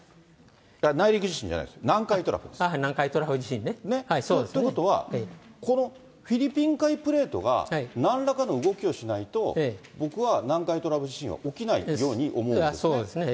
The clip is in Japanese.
内陸地震じゃないです、南海トラフ地震ね、そうです。ということは、このフィリピン海プレートがなんらかの動きをしないと、僕は南海トラフ地震は起きないように思うんですね。